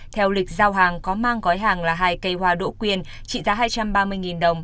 theo lịch giao hàng có mang gói hàng là hai cây hoa đỗ quyên trị giá hai trăm ba mươi đồng